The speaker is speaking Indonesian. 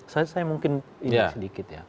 saya mungkin ingat sedikit ya